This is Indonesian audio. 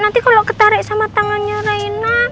nanti kalo ketarik sama tangannya rena